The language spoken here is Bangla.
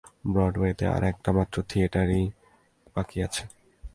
ব্রডওয়েতে আর একটা মাত্র থিয়েটারই বাকি আছে।